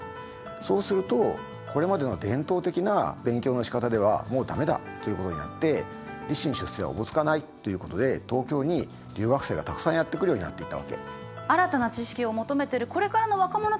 そうするとこれまでの伝統的な勉強のしかたではもう駄目だということになって立身出世がおぼつかないということで東京に留学生がたくさんやって来るようになっていたわけ。